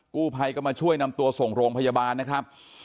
กู้ภัยก็มาช่วยนำตัวส่งโรงพยาบาลนะครับ